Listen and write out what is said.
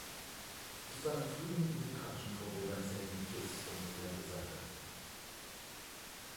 Zu seinen frühen musikalischen Vorbildern zählten Kiss und Led Zeppelin.